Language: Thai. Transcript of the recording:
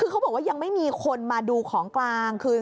คือเขาบอกว่ายังไม่มีคนมาดูของกลางคือ